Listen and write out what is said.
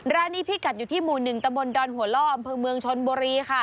ร้านนี้พี่กัดอยู่ที่หมู่๑ตะบนดอนหัวล่ออำเภอเมืองชนบุรีค่ะ